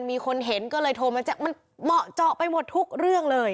มีคนเห็นก็เลยโทรมาแจ้งมันเหมาะเจาะไปหมดทุกเรื่องเลย